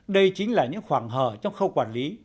đây chính là những khoảng hở trong khâu quản lý